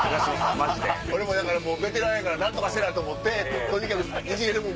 俺ももうベテランやから何とかせな！と思ってとにかくイジれるもん